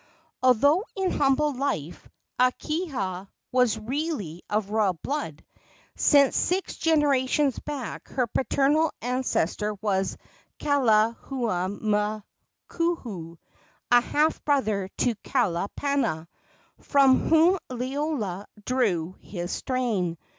Although in humble life, Akahia was really of royal blood, since six generations back her paternal ancestor was Kalahuamoku, a half brother to Kalapana, from whom Liloa drew his strain.